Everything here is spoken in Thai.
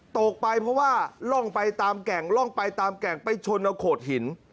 ตกไปเพราะว่าล่องไปตามแก่งล่องไปตามแก่งไปชนเอาโขดหิน